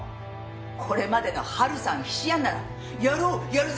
これまでの春さん菱やんなら「やろう」「やるぜ」